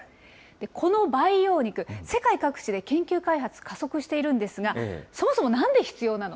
この培養肉、世界各地で研究開発、加速しているんですが、そもそもなんで必要なの？